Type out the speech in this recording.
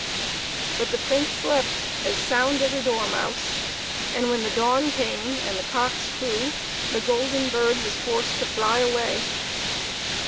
But the Prince slept as sound as a dormouse, and when the dawn came and the cocks crew the golden bird was forced to fly away.